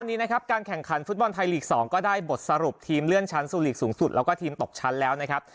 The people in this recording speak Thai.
วันนี้นะครับการแข่งขันฟุตบอลไทยลีก๒ก็ได้บทสรุปทีมเลื่อนชั้นสู่ลีกสูงสุดแล้วก็ทีมตกชั้นแล้วนะครับ